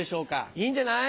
いいんじゃない。